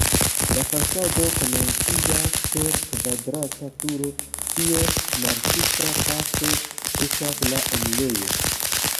La fasado komenciĝas per kvadrata turo, kies malsupra parto estas la enirejo.